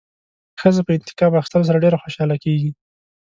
ښځه په انتقام اخیستلو سره ډېره خوشحاله کېږي.